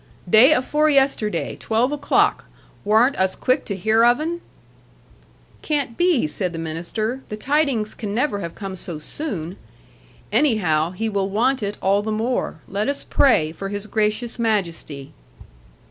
'Day afore yesterday. Twelve o'clock. Warn't us quick to hear of 'un?' 'Can't be,' said the minister: 'the tidings can never have come so soon. Anyhow, he will want it all the more. Let us pray for His Gracious Majesty.'